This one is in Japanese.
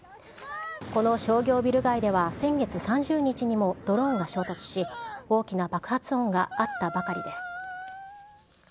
この商業ビル街では、先月３０日にもドローンが衝突し、大きな爆発音があったばかりです。